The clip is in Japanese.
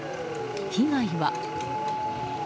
被害は。